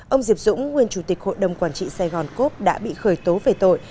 ông diệp dũng nguyên chủ tịch hội đồng quản trị sài gòn cốp đã bị khởi tố về tội